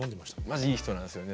まじいい人なんですよね。